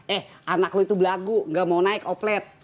eh anak lu itu belagu gak mau naik oplet